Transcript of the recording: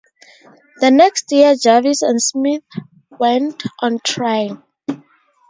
The next year Jarvis and Smith went on trial.